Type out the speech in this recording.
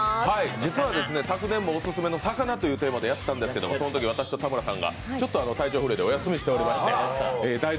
実は昨年もオススメの「さかな」というテーマでやったんですけどもそのとき私と田村さんが体調不良でお休みしてまして代打